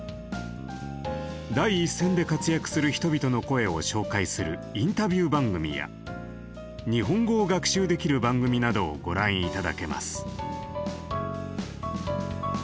第一線で活躍する人々の声を紹介するインタビュー番組や日本語を学習できる番組などをご覧頂けます。